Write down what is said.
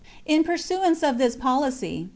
^ In pursuance of this policy, ^xl.